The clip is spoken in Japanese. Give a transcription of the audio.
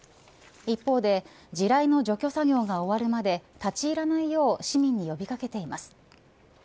一方で地雷の除去作業が終わるまで立ち入らないよう市民に呼び掛けています。